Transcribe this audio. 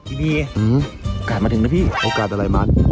อีบีย์โอกาสมาถึงไหมพี่โอกาสอะไรมั๊ด